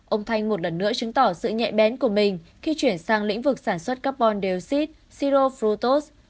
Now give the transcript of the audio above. ông thanh một lần nữa chứng tỏ sự nhẹ bén của mình khi chuyển sang lĩnh vực sản xuất carbon dioxide sirofrutos